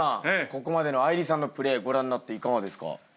ここまでの愛梨さんのプレーご覧になっていかがですか？